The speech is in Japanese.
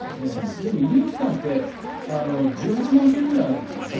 でも、医療機関って１８万件くらいあるんですよね。